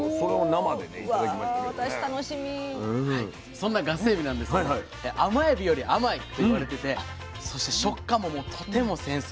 そんなガスエビなんですけど甘エビより甘いといわれててそして食感もとても繊細。